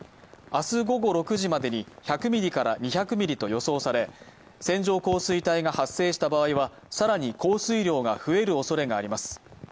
明日午後６時までに１００ミリから２００ミリと予想され線状降水帯が発生した場合は更に降水量が増えるおそれがあります。